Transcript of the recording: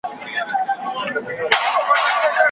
محصل د ليکني سمه بڼه غوره کوي.